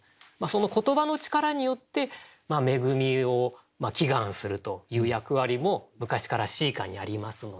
その言葉の力によって恵みを祈願するという役割も昔から詩歌にありますので。